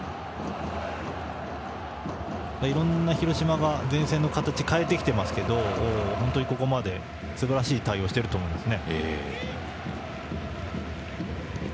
広島は前線の形を変えてきていますけど本当にここまですばらしい対応をしていると思います。